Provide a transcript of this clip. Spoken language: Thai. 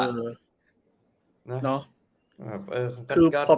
เนาะ